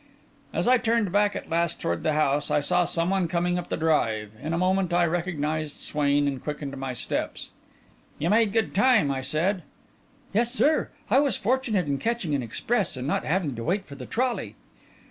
As I turned back, at last, toward the house, I saw someone coming up the drive. In a moment, I recognised Swain, and quickened my steps. "You made good time," I said. "Yes, sir; I was fortunate in catching an express and not having to wait for the trolley."